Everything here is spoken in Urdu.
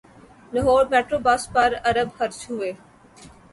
لاہور میٹروبس پر ارب خرچ ہوئے